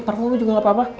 parfumnya juga gapapa